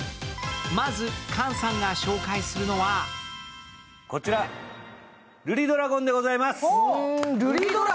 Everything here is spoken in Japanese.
まず菅さんが紹介するのはこちら、「ルリドラゴン」でございます。